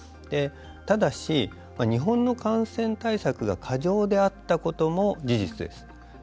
ただし、日本の感染対策が過剰であったことも事実です。